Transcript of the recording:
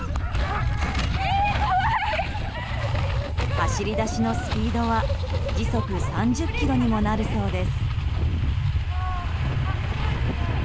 走り出しのスピードは時速３０キロにもなるそうです。